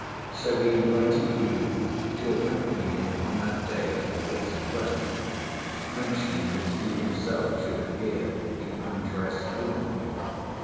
So he invited Yu to accompany him on that day to the place in question, mentioning that he himself should appear in undress only.